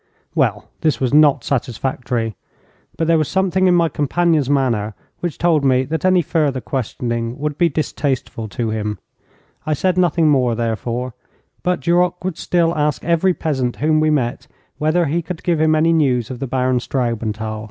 Well, this was not satisfactory, but there was something in my companion's manner which told me that any further questioning would be distasteful to him. I said nothing more, therefore, but Duroc would still ask every peasant whom we met whether he could give him any news of the Baron Straubenthal.